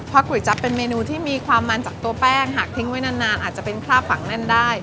เพราะก๋วยจั๊บเป็นเมนูที่มีความมันจากตัวแป้งหากทิ้งไว้นานอาจจะเป็นคราบฝังแน่นได้